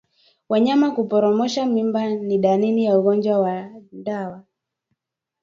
Wanyama kuporomosha mimba ni dalili ya ugonjwa wa ndwa